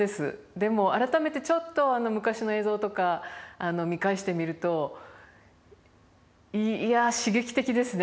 でも改めてちょっと昔の映像とか見返してみるといや刺激的ですね。